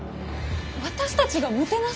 私たちがもてなす？